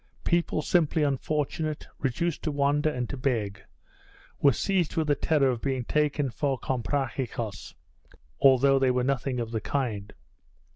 People simply unfortunate, reduced to wander and to beg, were seized with a terror of being taken for Comprachicos although they were nothing of the kind.